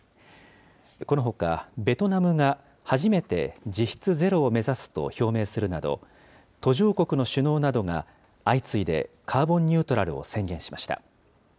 このほか、ベトナムが初めて、実質ゼロを目指すと表明するなど、途上国の首脳などが相次いでカーボンニュートラルを宣言しました。